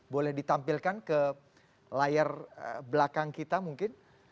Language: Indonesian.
boleh ditampilkan ke layar belakang kita mungkin